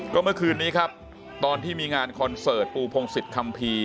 ก็เมื่อคืนนี้ครับตอนที่มีงานคอนเสิร์ตปูพงศิษยคัมภีร์